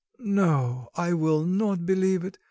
No, I will not believe it.